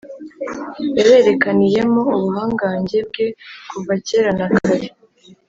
yaberekaniyemo ubuhangange bwe kuva kera na kare.